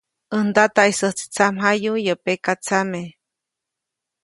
Ndataʼisäjtsi tsamjayu yäʼ pekatsame,.